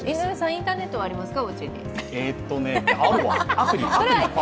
インターネットはおうちにありますか？